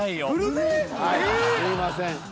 はいすいません。